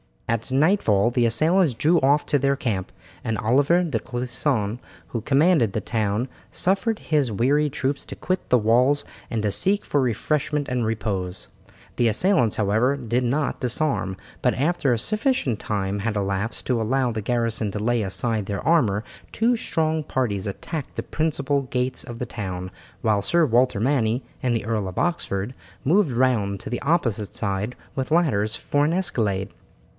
At nightfall the assailants drew off to their camp, and Oliver de Clisson, who commanded the town, suffered his weary troops to quit the walls and to seek for refreshment and repose. The assailants, however, did not disarm, but after a sufficient time had elapsed to allow the garrison to lay aside their armour two strong parties attacked the principal gates of the town, while Sir Walter Manny and the Earl of Oxford moved round to the opposite side with ladders for an escalade.